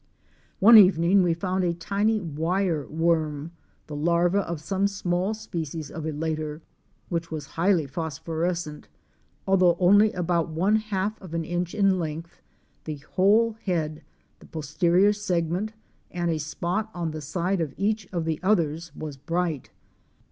One evening we found a tiny wire worm, the larva of some small species of elater, which was highly phosphorescent. Although only about one half of an inch in length, the whole head, the posterior segment and a spot on the side of each of the others was bright.